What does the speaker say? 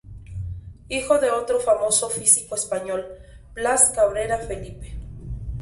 Hijo de otro famoso físico español, Blas Cabrera Felipe.